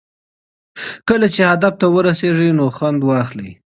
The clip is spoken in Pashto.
کله چې هدف ته ورسېږئ نو خوند واخلئ.